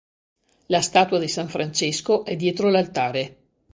La statua di San Francesco è dietro l'altare.